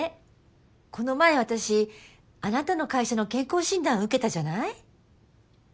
この前あたしあなたの会社の健康診断受けたじゃない？